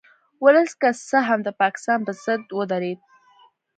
ولس که څه هم د پاکستان په ضد ودرید